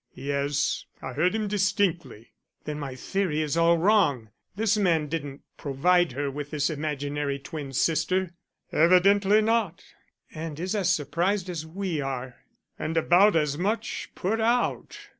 "Yes, I heard him distinctly." "Then my theory is all wrong. This man didn't provide her with this imaginary twin sister." "Evidently not." "And is as surprised as we are." "And about as much put out.